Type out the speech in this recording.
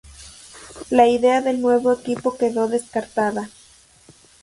La idea del nuevo equipo quedó descartada.